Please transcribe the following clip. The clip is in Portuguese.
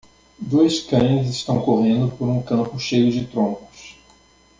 Dois cães estão correndo por um campo cheio de troncos.